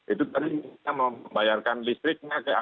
itu tadi kita membayarkan listriknya